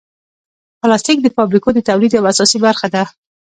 پلاستيک د فابریکو د تولید یوه اساسي برخه ده.